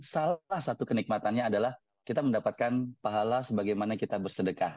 salah satu kenikmatannya adalah kita mendapatkan pahala sebagaimana kita bersedekah